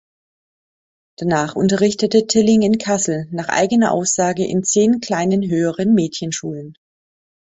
Danach unterrichtete Tiling in Kassel, nach eigener Aussage "in zehn kleinen höheren Mädchenschulen".